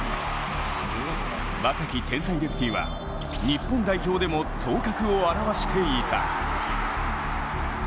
若き天才レフティーは日本代表でも頭角を現していた。